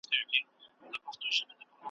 د خیالي حوري په خیال کي زنګېدلای ,